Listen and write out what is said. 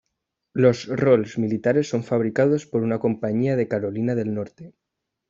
Los "rolls" militares son fabricados por una compañía de Carolina del Norte.